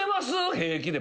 平気で。